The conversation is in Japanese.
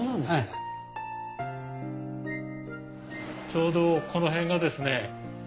ちょうどこの辺がですね